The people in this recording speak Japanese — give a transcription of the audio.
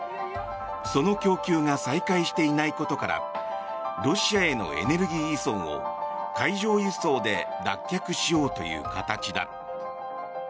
その供給が再開していないことからロシアへのエネルギー依存を海上輸送で脱却しようという形だ。